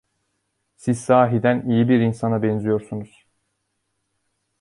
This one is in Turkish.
Siz sahiden iyi bir insana benziyorsunuz!